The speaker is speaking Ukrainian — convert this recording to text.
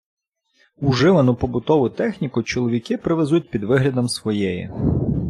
Уживану побутову техніку чоловіки провезуть під виглядом своєї.